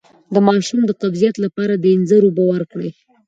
د ماشوم د قبضیت لپاره د انځر اوبه ورکړئ